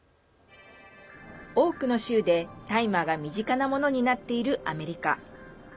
多くの州で大麻が身近なものになっているアメリカ。